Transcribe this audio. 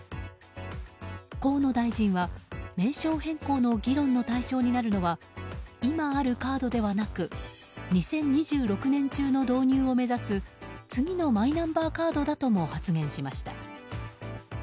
河野大臣は名称変更の議論の対象になるのは今あるカードではなく２０２６年中の導入を目指す次のマイナンバーカードだとも発言しました。